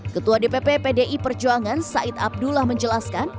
ketua dpp pdi perjuangan said abdullah menjelaskan